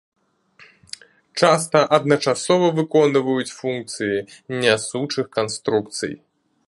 Часта адначасова выконваюць функцыі нясучых канструкцый.